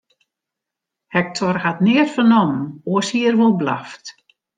Hektor hat neat fernommen, oars hie er wol blaft.